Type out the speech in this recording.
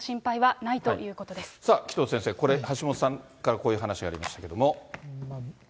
さあ、紀藤先生、これ、橋下さんからこういう話がありましたけれども。